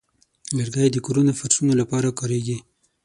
لرګی د کورونو فرشونو لپاره کاریږي.